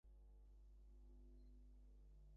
না, সে সেরা লোকদের চেয়েছিল।